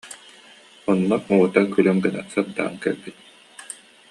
Онно уота күлүм гына сырдаан кэлбит